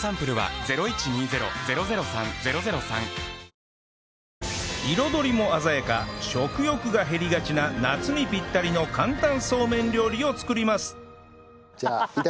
ニトリ彩りも鮮やか食欲が減りがちな夏にぴったりの簡単そうめん料理を作ります